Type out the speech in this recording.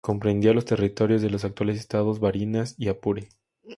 Comprendía los territorios de los actuales estados Barinas y Apure.